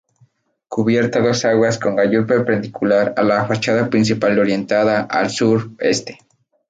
Cubierta a dos aguas con gallur perpendicular a la fachada principal orientada al sureste.